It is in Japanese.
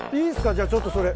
じゃあちょっとそれ。